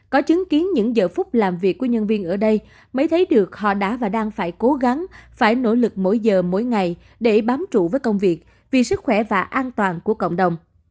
có chứng kiến những giờ phút làm việc của nhân viên ở đây mới thấy được họ đã và đang phải cố gắng phải nỗ lực mỗi giờ mỗi ngày để bám trụ với công việc vì sức khỏe và an toàn của cộng đồng